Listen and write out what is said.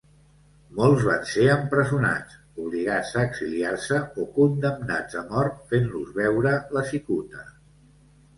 Molts van ser empresonats, obligats a exiliar-se o condemnats a mort fent-los beure la cicuta.